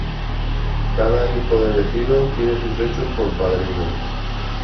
Cada hijo de vecino tiene sus hechos por padrino.